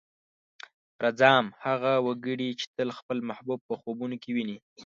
رځام: هغه وګړی چې تل خپل محبوب په خوبونو کې ويني.